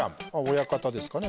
親方ですかね。